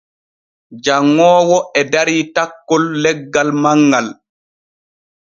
Janŋoowo e darii takkol leggal mawŋal.